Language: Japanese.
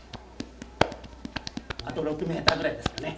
あと６ｍぐらいですかね。